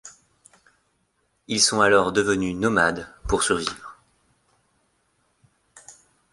Ils sont alors devenus nomades pour survivre.